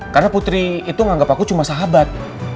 karena putri itu nganggep aku cuma sahabat